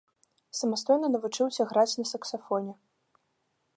Самастойна навучыўся граць на саксафоне.